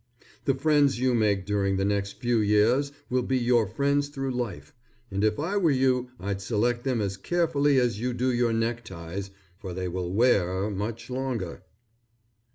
The friends you make during the next few years will be your friends through life, and if I were you I'd select them as carefully as you do your neckties for they will wear much longer.